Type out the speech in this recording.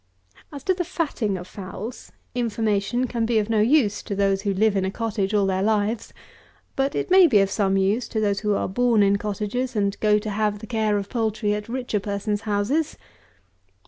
As to the fatting of fowls, information can be of no use to those who live in a cottage all their lives; but it may be of some use to those who are born in cottages, and go to have the care of poultry at richer persons' houses.